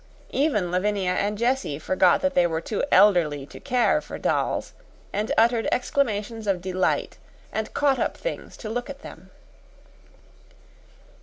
Even Lavinia and Jessie forgot that they were too elderly to care for dolls, and uttered exclamations of delight and caught up things to look at them.